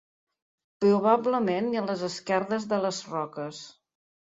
Probablement nia a les esquerdes de les roques.